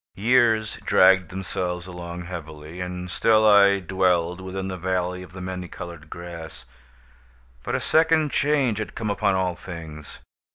—Years dragged themselves along heavily, and still I dwelled within the Valley of the Many Colored Grass; but a second change had come upon all things.